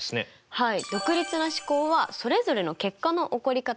はい。